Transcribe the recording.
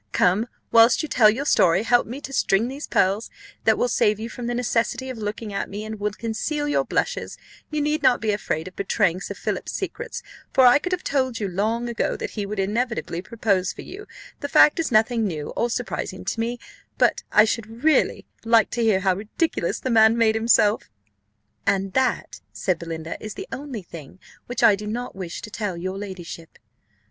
Come, whilst you tell your story, help me to string these pearls; that will save you from the necessity of looking at me, and will conceal your blushes: you need not be afraid of betraying Sir Philip's secrets; for I could have told you long ago, that he would inevitably propose for you the fact is nothing new or surprising to me, but I should really like to hear how ridiculous the man made himself." "And that," said Belinda, "is the only thing which I do not wish to tell your ladyship."